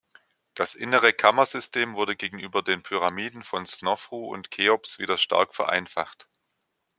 Das innere Kammersystem wurde gegenüber den Pyramiden von Snofru und Cheops wieder stark vereinfacht.